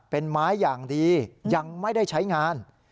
เป็นไม้อย่างดียังไม่ได้ใช้งาน